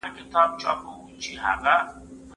هغوی وایي چي ولسواکي په هېواد کي زندۍ سوه.